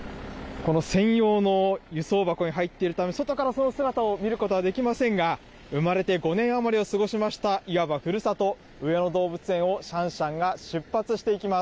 この専用の輸送箱に入っているため、外からその姿を見ることはできませんが、生まれて５年余りを過ごしましたいわばふるさと、上野動物園をシャンシャンが出発していきます。